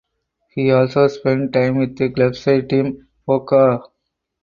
He also spent time with club side Team Boca.